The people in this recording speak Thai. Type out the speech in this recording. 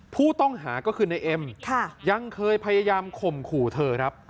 ผู้ต้องหาก็คือในเอ็มยังเคยพยายามข่มขู่เธอครับ